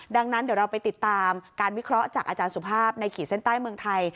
ดังนั้นเดี๋ยวเราไปติดตามการวิเคราะห์จากอาจารย์สุภาพในขีดเส้นใต้เมืองไทย